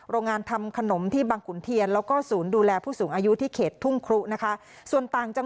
โรงงานทำขนมที่บังขุนเทียนแล้วก็ศูนย์ดูแลผู้สูงอายุที่เขตทุ่งครุนะคะส่วนต่างจัง